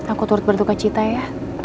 aku turut berduka cita ya